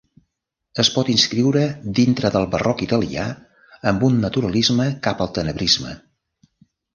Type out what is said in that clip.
Es pot inscriure dintre del barroc italià amb un naturalisme cap al tenebrisme.